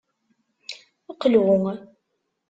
Qlu.